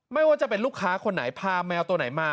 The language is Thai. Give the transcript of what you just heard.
ไม่ว่าจะเป็นลูกค้าคนไหนพาแมวตัวไหนมา